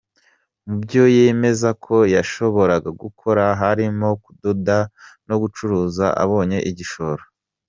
Mu byo yemeza ko yashobora gukora harimo kudoda no gucuruza abonye igishoro.